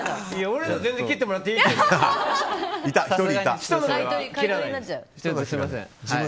俺のは全然切ってもらっていいけど。